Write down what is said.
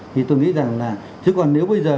thì tôi nghĩ rằng là chứ còn nếu bây giờ